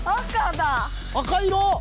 赤色！